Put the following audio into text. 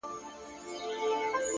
هره ورځ نوې فرصت دی.!